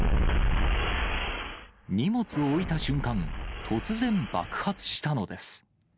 荷物を置いた瞬間、突然、爆発したのです。